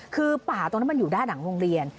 คือป่าตรงนั้นมันอยู่ด้านหลังโรงเรียน